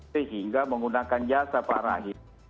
sehingga menggunakan jasa pak rahim